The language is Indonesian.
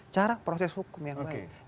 cara proses hukum yang lain